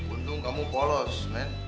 untung kamu polos men